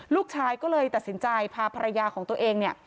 ลูกชายก็เลยตัดสินใจพาภรรยาของตัวเองเนี่ย